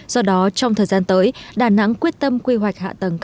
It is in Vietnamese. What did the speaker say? do đó trong thời gian tới đà nẵng quyết tâm quy hoạch hạ tầng